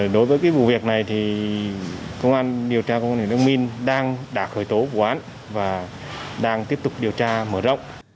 đối với cái vụ việc này thì công an điều tra công an huyện đức minh đang đã khởi tố vụ án và đang tiếp tục điều tra mở rộng